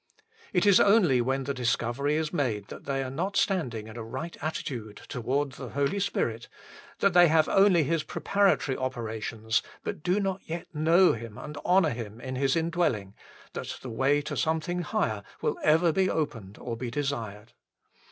It is only when the discovery is HOW IT IS TO BE TAUGHT 15 made that they are not standing in a right attitude towards the Holy Spirit, that they have only His preparatory operations, but do not yet know and honour Him in His indwelling, that the way to something higher will ever be open or even be desired.